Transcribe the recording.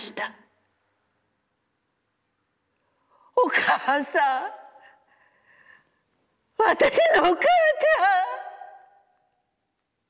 『おかあさん、私のおかあちゃん』